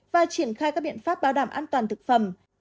và triển khai các biện pháp bảo đảm an toàn thực phẩm